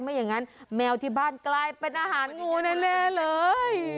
อย่างนั้นแมวที่บ้านกลายเป็นอาหารงูแน่เลย